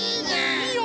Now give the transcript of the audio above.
いいよ！